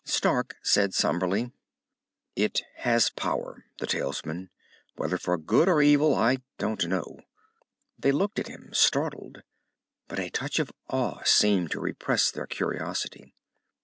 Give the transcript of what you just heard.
Stark said somberly, "It has power, the Talisman. Whether for good or evil, I don't know." They looked at him, startled. But a touch of awe seemed to repress their curiosity.